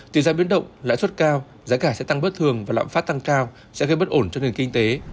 tỷ giá biến động lãi suất cao giá cả sẽ tăng bất thường và lạm phát tăng cao sẽ gây bất ổn cho nền kinh tế